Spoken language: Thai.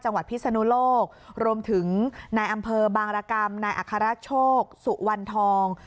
พิศนุโลกรวมถึงนายอำเภอบางรกรรมนายอัครโชคสุวรรณทอง